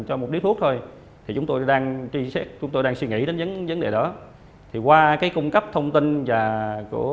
đến titus thịnh chúng tôi đang suy nghĩ đến dân vấn đề nó thì qua cái cung cấp thông tin và của